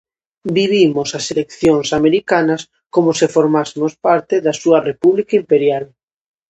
Vivimos as eleccións americanas como se formásemos parte da súa república imperial.